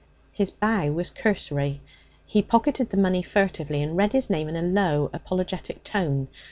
His bow was cursory. He pocketed the money furtively and read his name in a low, apologetic tone.